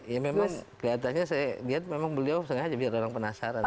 ya memang kelihatannya saya lihat memang beliau sengaja biar orang penasaran